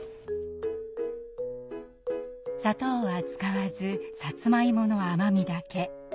砂糖は使わずさつまいもの甘みだけ。